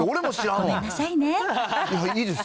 いいです。